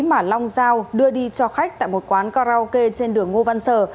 mà long giao đưa đi cho khách tại một quán karaoke trên đường ngô văn sở